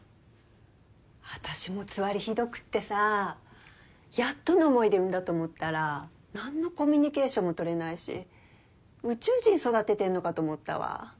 あたしもつわりひどくってさやっとの思いで産んだと思ったら何のコミュニケーションもとれないし宇宙人育ててんのかと思ったわ。